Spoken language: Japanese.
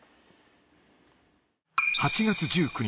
８月１９日。